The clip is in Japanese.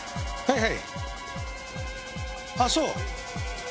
はい。